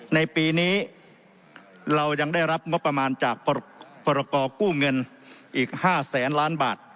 ในปีนี้เรายังได้รับงบประมาณจากพรกรกู้เงินอีก๕แสนล้านบาท